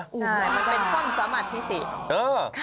มันเป็นความสามารถพิเศษ